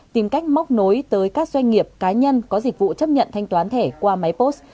tìm cách móc nối tới các doanh nghiệp cá nhân có dịch vụ chấp nhận thanh toán thẻ qua máy post